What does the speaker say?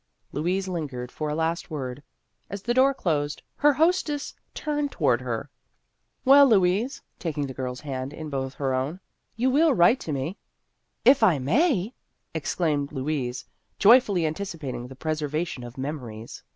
Louise lingered for a last word. As the door closed, her hostess turned toward her. " Well, Louise," taking the girl's hand in both her own, " you will write to me?" " If I may," exclaimed Louise, joyfully anticipating the preservation of memories.